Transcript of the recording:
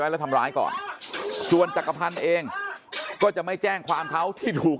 แล้วทำร้ายก่อนส่วนจักรพันธ์เองก็จะไม่แจ้งความเขาที่ถูก